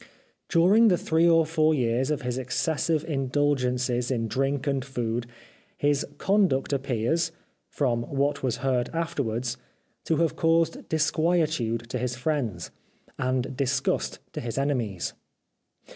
During the three or four years of his excessive 339 The Life of Oscar Wilde indulgences in drink and food his conduct ap pears, from what was heard afterwards, to have caused disquietude to his friends, and disgust to his enemies.